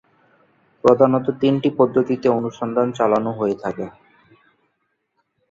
প্রধানত তিনটি পদ্ধতিতে অনুসন্ধান চালানো হয়ে থাকে।